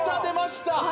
出ました